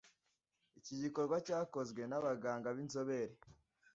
Iki gikorwa cyakozwe n’abaganga b’inzobere